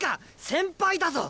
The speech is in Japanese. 先輩だぞ！